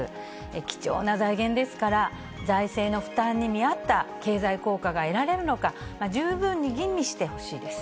貴重な財源ですから、財政の負担に見合った経済効果が得られるのか、十分に吟味してほしいです。